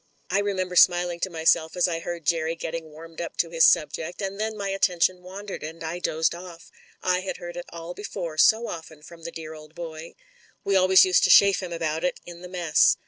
I remember smiling to myself as I heard Jerry getting warmed up to his subject, and then my atten tion wandered, and I dozed off. I had heard it all IQ2 MEN, WOMEN AND GUNS before so often from the dear old boy. We always used to chaff him about it in the mess.